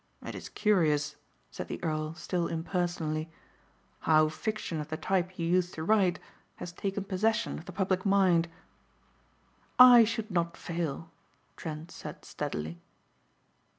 "It is curious," said the earl still impersonally, "how fiction of the type you used to write has taken possession of the public mind." "I should not fail," Trent said steadily.